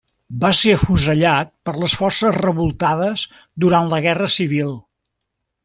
Va ser afusellat per les forces revoltades durant la Guerra civil.